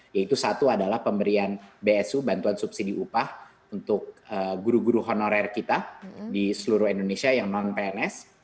yaitu satu adalah pemberian bsu bantuan subsidi upah untuk guru guru honorer kita di seluruh indonesia yang non pns